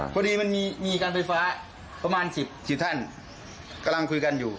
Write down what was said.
พอดีมันมีการไฟฟ้าประมาณ๑๐ท่านกำลังคุยกันอยู่